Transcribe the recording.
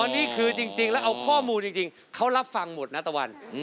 นี่คือจริงแล้วเอาข้อมูลจริงเขารับฟังหมดนะตะวัน